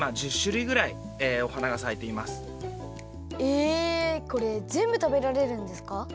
えこれぜんぶ食べられるんですか？